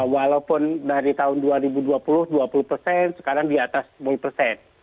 walaupun dari tahun dua ribu dua puluh dua puluh persen sekarang di atas sepuluh persen